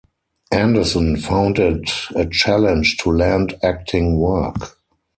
Anderson found it a challenge to land acting work.